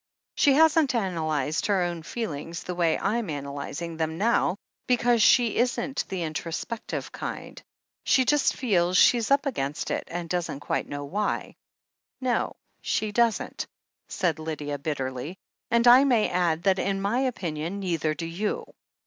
She hasn*t analyzed her own feelings the way I'm analyzing them now, because she isn't the introspective kind. She just feels she's up against it, and doesn't quite know why." "No, she doesn't," said Lydia bitterly, "and I may add that, in my opinion, neither do you.